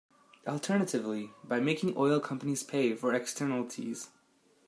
Alternatively, by making oil companies pay for externalities.